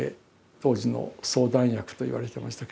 当時の相談役といわれてましたけど。